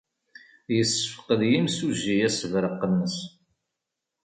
Yessefqed yimsujji assebreq-nnes.